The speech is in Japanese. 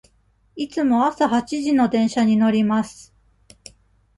いつも朝八時の電車に乗ります。